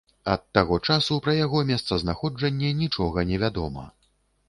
Ад таго часу пра яго месцазнаходжанне нічога невядома.